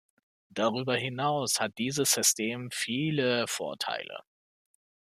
Darüber hinaus hat dieses System viele Vorteile.